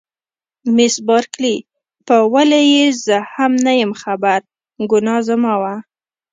مس بارکلي: په ولې یې زه هم نه یم خبره، ګناه زما وه.